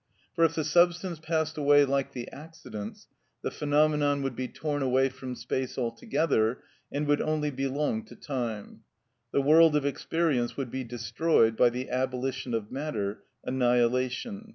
For if the substance passed away like the accidents, the phenomenon would be torn away from space altogether, and would only belong to time; the world of experience would be destroyed by the abolition of matter, annihilation.